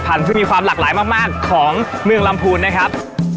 ที่มีความหลากหลายมากของเมืองลำพูนนะครับ